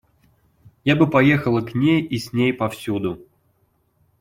Я бы поехала к ней и с ней повсюду.